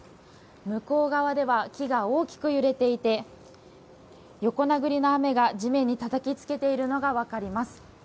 向こう側では木が大きく揺れていて横殴りの雨が地面にたたきつけているのが分かります。